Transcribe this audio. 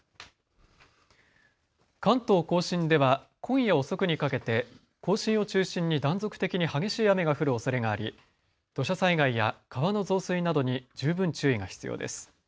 関東甲信では今夜遅くにかけて甲信を中心に断続的に激しい雨が降るおそれがあり土砂災害や川の増水などに十分注意が必要です。